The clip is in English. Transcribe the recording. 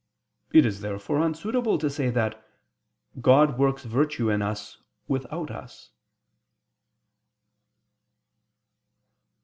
It is therefore unsuitable to say that "God works virtue in us, without us."